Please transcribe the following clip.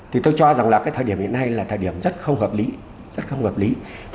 thì tôi cho rằng là cái thời điểm hiện nay là thời điểm rất không hợp lý rất không hợp lý